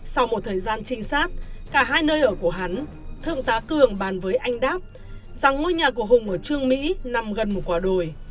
sau một thời gian trinh sát cả hai nơi ở của hắn thượng tá cường bàn với anh đáp rằng ngôi nhà của hùng ở trương mỹ nằm gần một quả đồi